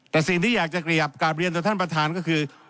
แต่สิ่งที่อยากจะกราบเรียนต่อท่านประธานก็คือ